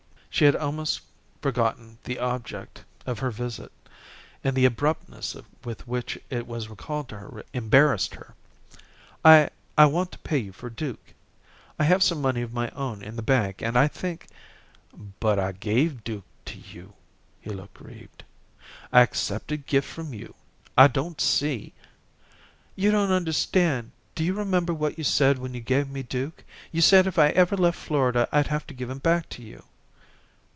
She had almost forgotten the object of her visit, and the abruptness with which it was recalled to her embarrassed her. "I I want to pay you for Duke. I have some money of my own in the bank and I think " "But I gave Duke to you." He looked grieved. "I accepted Gift from you, I don't see " "You don't understand. Do you remember what you said when you gave me Duke? You said if I ever left Florida I'd have to give him back to you."